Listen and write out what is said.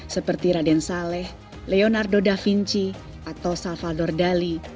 seperti raden saleh leonardo da vinci atau salvador dali